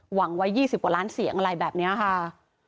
หวังไว้๒๐กว่าล้านเสียงอะไรแบบนี้ค่ะ